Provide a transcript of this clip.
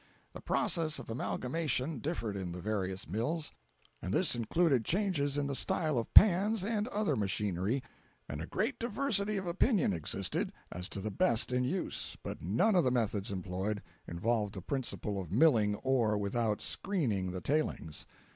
The process of amalgamation differed in the various mills, and this included changes in style of pans and other machinery, and a great diversity of opinion existed as to the best in use, but none of the methods employed, involved the principle of milling ore without "screening the tailings."